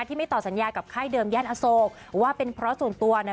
ที่ไม่ต่อสัญญากับค่ายเดิมย่านอโศกว่าเป็นเพราะส่วนตัวเนี่ย